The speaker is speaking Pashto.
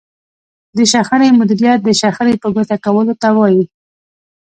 د شخړې مديريت د شخړې په ګوته کولو ته وايي.